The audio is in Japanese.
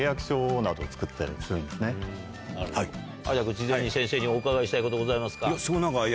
君事前に先生にお伺いしたいことございますか？